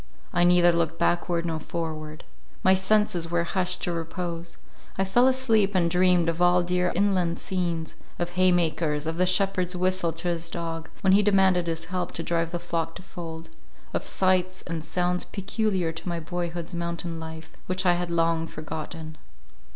I neither looked backward nor forward; my senses were hushed to repose; I fell asleep and dreamed of all dear inland scenes, of hay makers, of the shepherd's whistle to his dog, when he demanded his help to drive the flock to fold; of sights and sounds peculiar to my boyhood's mountain life, which I had long forgotten.